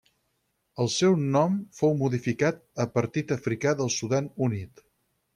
El seu nom fou modificat a Partit Africà del Sudan Unit.